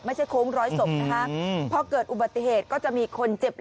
โค้งร้อยศพนะคะพอเกิดอุบัติเหตุก็จะมีคนเจ็บ